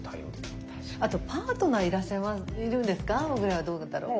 あと「パートナーいるんですか？」ぐらいはどうなんだろう？